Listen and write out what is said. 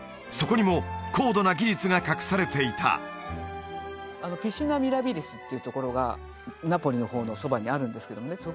そこにも高度な技術が隠されていたピシーナ・ミラビリスっていうところがナポリの方のそばにあるんですけどもね